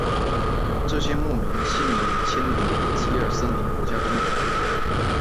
这些牧民现已迁离吉尔森林国家公园。